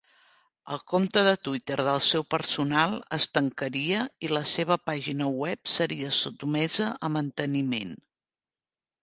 El compte de Twitter del seu personal es tancaria i la seva pàgina web seria sotmesa a manteniment.